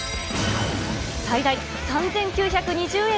最大３９２０円